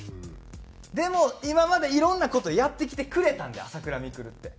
でも今までいろんな事やってきてくれたんで朝倉未来って。